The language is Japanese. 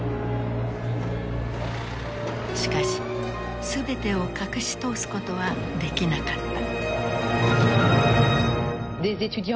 しかし全てを隠し通すことはできなかった。